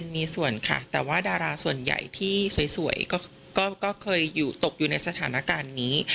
มีส่วนค่ะแต่ว่าดาราส่วนใหญ่ที่สวยก็เคยตกอยู่ในสถานการณ์นี้